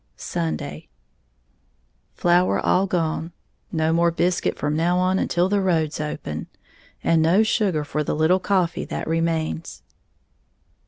Sunday. Flour all gone, no more biscuit from now on until the roads open and no sugar for the little coffee that remains.